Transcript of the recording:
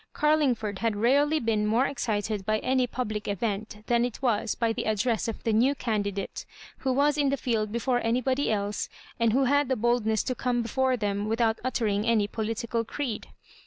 Oarlingford had rarely been more excited by any public event than it was by the address of the new candidate, who was in the field before any body else, and who had the boldness to come before them without uttering any political creed.